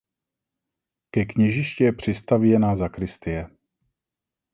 Ke kněžišti je přistavěna sakristie.